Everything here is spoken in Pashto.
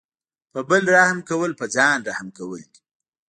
په بل رحم کول په ځان رحم کول دي.